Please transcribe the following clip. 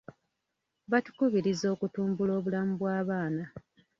Batukubiriza okutumbula obulamu bw'abaana.